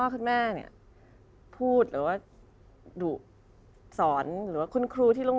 คุณแม่เนี่ยพูดหรือว่าดุสอนหรือว่าคุณครูที่โรง